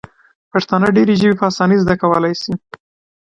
پښتانه ډیري ژبي په اسانۍ زده کولای سي.